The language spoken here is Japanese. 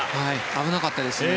危なかったですね。